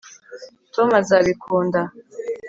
tom azabikunda